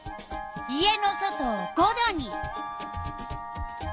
家の外を５℃に。